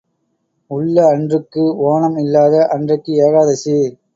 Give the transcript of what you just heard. உள்ள அன்றுக்கு ஓணம் இல்லாத அன்றைக்கு ஏகாதசி.